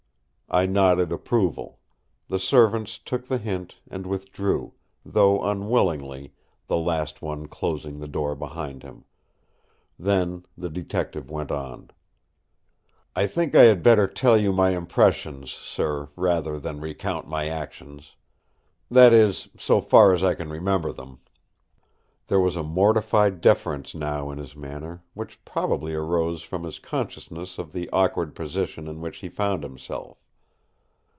I nodded approval; the servants took the hint and withdrew, though unwillingly, the last one closing the door behind him. Then the Detective went on: "I think I had better tell you my impressions, sir, rather than recount my actions. That is, so far as I remember them." There was a mortified deference now in his manner, which probably arose from his consciousness of the awkward position in which he found himself.